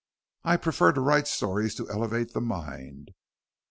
"I prefer to write stories to elevate the mind."